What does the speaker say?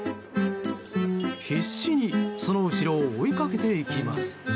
必死にその後ろを追いかけていきます。